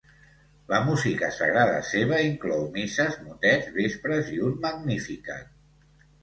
La música sagrada seva inclou misses, motets, vespres, i un Magnificat.